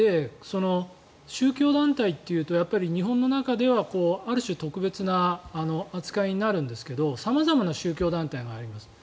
宗教団体っていうと日本の中ではある種特別な扱いになるんですが様々な宗教団体があります。